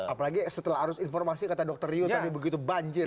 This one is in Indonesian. apalagi setelah arus informasi kata dokter rio tadi begitu banjir